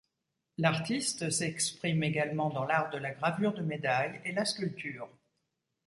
L'artiste s'exprime également dans l'art de la gravure de médailles et la sculpture.